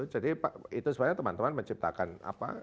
jadi itu sebenarnya teman teman menciptakan apa